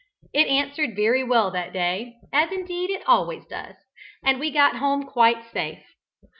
It answered very well that day (as, indeed, it always does) and we got home quite safe.